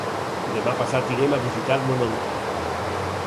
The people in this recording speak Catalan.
Demà passat irem a visitar mon oncle.